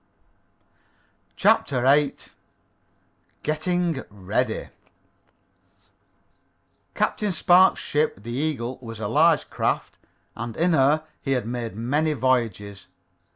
CHAPTER VIII GETTING READY Captain Spark's ship, the Eagle, was a large craft, and in her he had made many voyages.